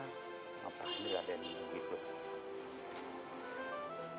nggak usah diladenin gitu